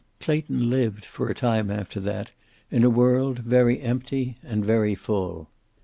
Clayton lived, for a time after that, in a world very empty and very full.